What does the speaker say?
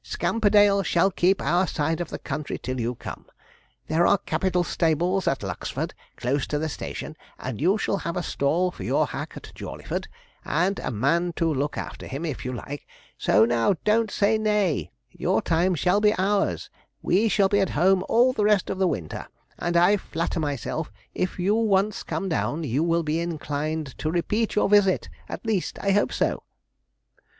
Scamperdale shall keep our side of the country till you come; there are capital stables at Lucksford, close to the station, and you shall have a stall for your hack at Jawleyford, and a man to look after him, if you like; so now, don't say nay your time shall be ours we shall be at home all the rest of the winter, and I flatter myself, if you once come down, you will be inclined to repeat your visit; at least, I hope so.'